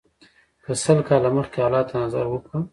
که سل کاله مخکې حالاتو ته نظر وکړو.